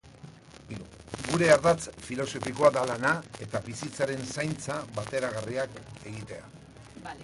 Gure ardatz filosofikoa da lana eta bizitzaren zaintza bateragarriak egitea.